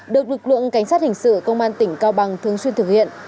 được lực lượng cảnh sát hình sự công an tỉnh cao bằng thường xuyên thực hiện